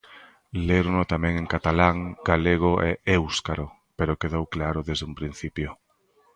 Lérono tamén en catalán, galego e éuscaro, pero quedou claro desde un principio.